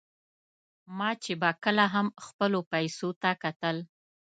ما چې به کله هم خپلو پیسو ته کتل.